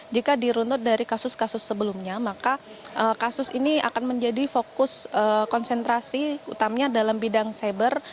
jika diruntut dari kasus kasus sebelumnya maka kasus ini akan menjadi fokus konsentrasi utamanya dalam bidang cyber